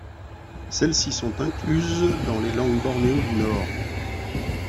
Celles-ci sont incluses dans les langues bornéo du Nord.